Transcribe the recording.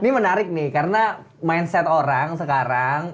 ini menarik nih karena mindset orang sekarang